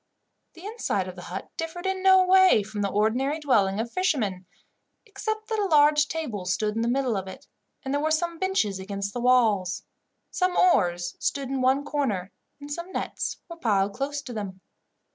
The inside of the hut differed in no way from the ordinary dwelling of fishermen, except that a large table stood in the middle of it, and there were some benches against the walls. Some oars stood in one corner, and some nets were piled close to them.